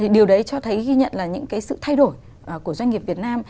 điều đấy cho thấy ghi nhận là những cái sự thay đổi của doanh nghiệp việt nam